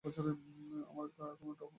আমার আর কোনও উপায় নেই।